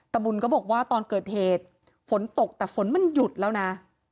บุญก็บอกว่าตอนเกิดเหตุฝนตกแต่ฝนมันหยุดแล้วนะ